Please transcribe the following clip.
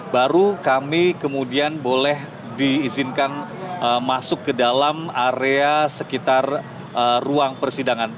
baru kami kemudian boleh diizinkan masuk ke dalam area sekitar ruang persidangan